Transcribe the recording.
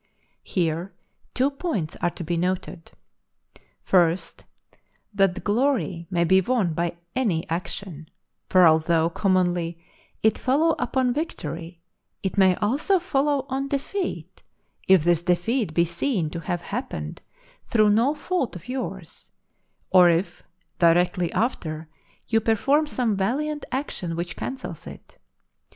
Here two points are to be noted; first, that glory may be won by any action; for although, commonly, it follow upon victory, it may also follow on defeat, if this defeat be seen to have happened through no fault of yours, or if, directly after, you perform some valiant action which cancels it.